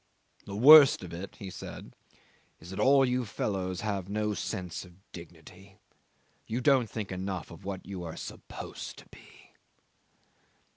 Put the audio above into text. "The worst of it," he said, "is that all you fellows have no sense of dignity; you don't think enough of what you are supposed to be."